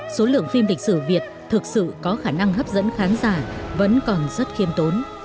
số lượng phim lịch sử việt thực sự có khả năng hấp dẫn khán giả vẫn còn rất khiêm tốn